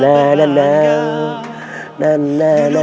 nah nah nah nah nah nah